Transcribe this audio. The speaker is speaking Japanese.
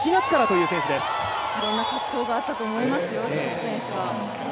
いろんな葛藤があったと思いますよ、内瀬戸選手は。